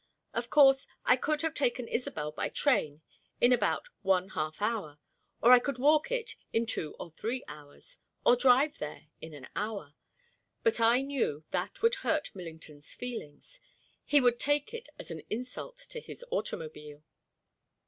Of course, I could have taken Isobel by train in about one half hour, or I could walk it in two or three hours, or drive there in an hour; but I knew that would hurt Millington's feelings. He would take it as an insult to his automobile.